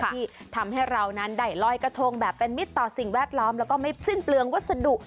ที่ทำให้เรานั้นได้ลอยกระทงแบบเป็นมิตรต่อสิ่งแวดล้อมแล้วก็ไม่สิ้นเปลืองวัสดุ